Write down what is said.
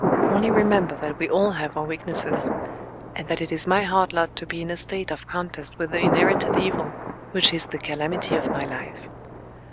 Only remember that we all have our weaknesses, and that it is my hard lot to be in a state of contest with the inherited evil which is the calamity of my life.